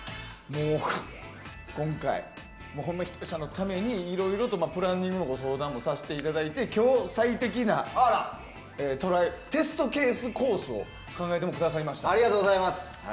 今回、ひとりさんのためにいろいろとプランニングもさせていただいて今日、最適なテストケースコースを考えてくださりました。